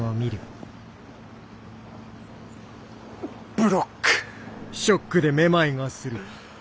ブロック！